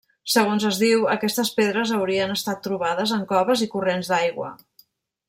Segons es diu, aquestes pedres haurien estat trobades en coves i corrents d'aigua.